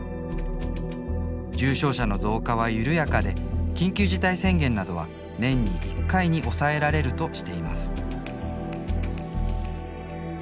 重症者の増加は緩やかで緊急事態宣言などは年に１回に抑えられるとしています。